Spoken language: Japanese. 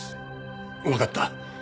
わかった。